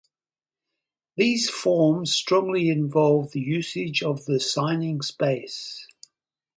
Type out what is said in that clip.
These forms strongly involve the usage of the signing space.